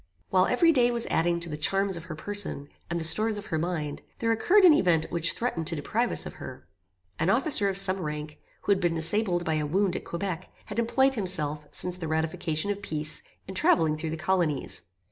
While every day was adding to the charms of her person, and the stores of her mind, there occurred an event which threatened to deprive us of her. An officer of some rank, who had been disabled by a wound at Quebec, had employed himself, since the ratification of peace, in travelling through the colonies.